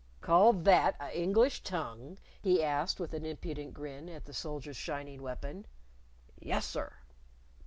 "Call that a' English tongue?" he asked, with an impudent grin at the soldier's shining weapon. "Yes, sir."